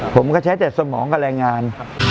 ผมก็ใช้แต่สมองกับแรงงาน